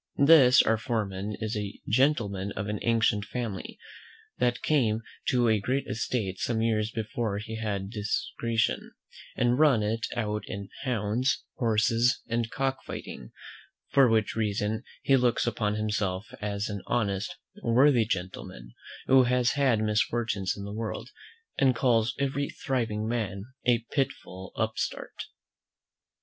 This our foreman is a gentleman of an ancient family, that came to a great estate some years before he had discretion, and run it out in hounds, horses, and cock fighting; for which reason he looks upon himself as an honest, worthy gentleman, who has had misfortunes in the world, and calls every thriving man a pitiful upstart.